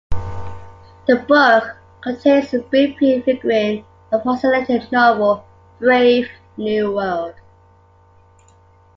The book contains a brief pre-figuring of Huxley's later novel, "Brave New World".